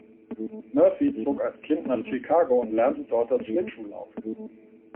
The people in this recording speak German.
Murphy zog als Kind nach Chicago und lernte dort das Schlittschuhlaufen.